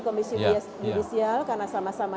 komisi judisial karena sama sama